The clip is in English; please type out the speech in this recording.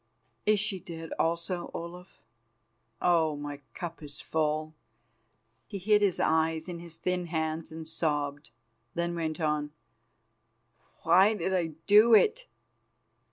"Is she dead also, Olaf? Oh! my cup is full." He hid his eyes in his thin hands and sobbed, then went on: "Why did I do it?